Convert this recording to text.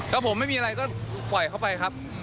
แล้วผมไม่มีอะไรก็ปล่อยเข้าไปครับ